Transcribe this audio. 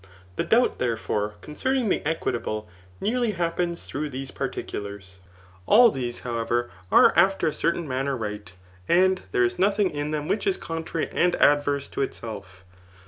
The doubt, therefore, concerning the equitable, nearly Iu^)peas through these particulars. All these, however, are after a certain manner right, and there is nodiing in them which is contrary and adverse to itself.